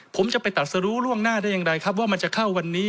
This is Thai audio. ผมจะไปตัดสรุล่วงหน้าได้อย่างไรครับว่ามันจะเข้าวันนี้